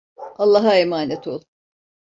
Allah'a emanet ol.